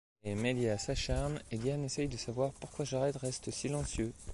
Les médias s'acharnent et Diane essaye de savoir pourquoi Jared reste si silencieux.